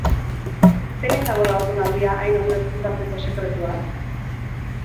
Zein izango da haurdunaldia hain ondo ezkutatzeko sekretua?